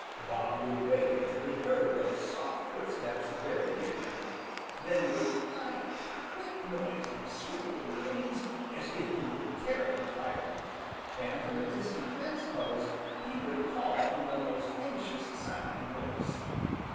Bob would wait until he heard those soft footsteps very near him, then he would fly up with a great noise of his swift little wings as if he were terribly frightened, and from a distant fence post he would call in the most anxious sounding voice.